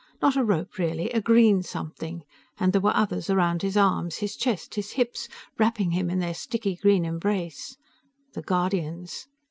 Not a rope really, a green something, and there were others around his arms, his chest, his hips, wrapping him in their sticky green embrace. The Guardians!